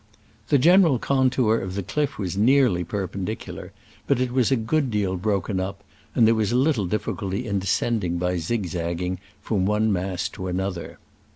The general contour of the cliff was nearly perpendicular, but it was a good deal broken up, and there was little difficulty in descending by zigzagging from one mass to another.